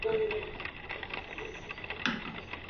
Nola egiten duzu hori zuk?